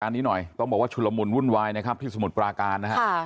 อันนี้หน่อยต้องบอกว่าชุลมุนวุ่นวายนะครับที่สมุทรปราการนะฮะ